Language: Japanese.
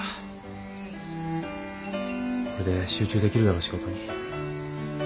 これで集中できるだろ仕事に。